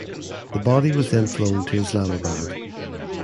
The body was then flown to Islamabad.